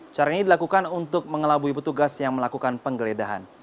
cara ini dilakukan untuk mengelabui petugas yang melakukan penggeledahan